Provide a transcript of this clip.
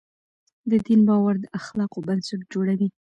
د دین باور د اخلاقو بنسټ جوړوي.